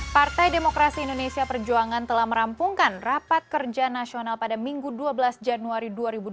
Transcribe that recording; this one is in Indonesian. partai demokrasi indonesia perjuangan telah merampungkan rapat kerja nasional pada minggu dua belas januari dua ribu dua puluh